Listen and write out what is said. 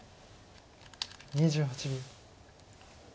２８秒。